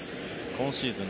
今シーズン